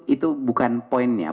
itu bukan poinnya